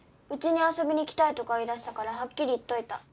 家に遊びに来たいとか言い出したからはっきり言っといた。